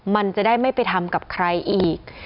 มันจะได้ไม่ไปทำกับใครอีก